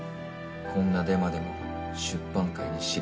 こんなデマでも出版界に知れ渡れば。